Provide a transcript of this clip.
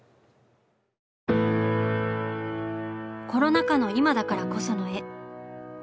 コロナ禍の今だからこその絵。